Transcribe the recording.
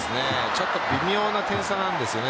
ちょっと微妙な点差なんですよね